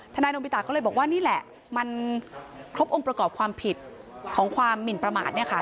นายนมบิตะก็เลยบอกว่านี่แหละมันครบองค์ประกอบความผิดของความหมินประมาทเนี่ยค่ะ